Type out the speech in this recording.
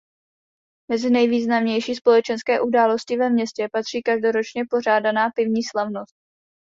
Mezi nejvýznamnější společenské události ve městě patří každoročně pořádaná pivní slavnost.